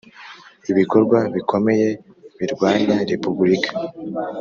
ibikorwa bikomeye birwanya Repubulika